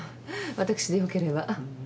私でよければ。